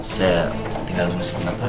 saya tinggal dulu sebentar pak